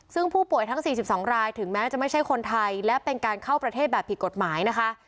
ซึ่งผู้ป่วยทั้ง๔๒รายถึงแม้จะไม่ใช่คนไทยและเป็นการเข้าประเทศแบบผิดกฎหมายนะคะ